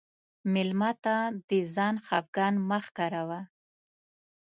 مېلمه ته د ځان خفګان مه ښکاروه.